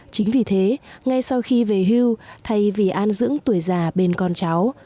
chính vì thế ngay sau khi về hưu thay vì an dưỡng tuổi già bên con cháu